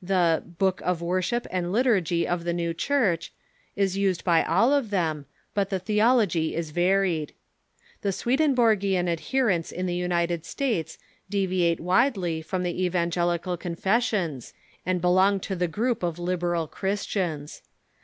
The " Book of Worship and Liturgy of the New Church" is used by all of them, but the theology is varied. The Swedenborgian adher ents in the United States deviate widely from the evangelical confessions, and belong to the group of Liberal Christians.